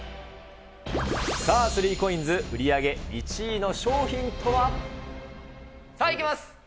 さあ、３コインズ、売り上げ１位の商品とは。さあ、いきます！